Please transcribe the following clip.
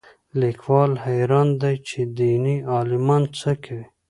لیکوال حیران دی چې دیني عالمان څه کوي